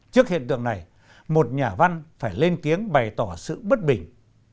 trước hiện tượng này một nhà văn phải lên tiếng bày tỏ sự bất bình